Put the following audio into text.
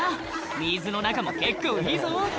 「水の中も結構いいぞ」